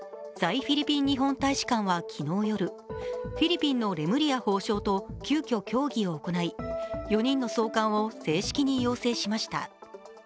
フィリピン日本大使館は昨日夜、フィリピンのレムリヤ法相と急きょ、協議を行い４人の送還を正式に要請しました。